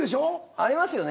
ありますよね